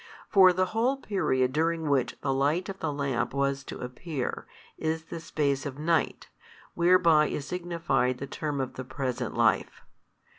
For the whole period during which the light of the lamp was to appear, is the space of night, whereby is signified the term of the present life.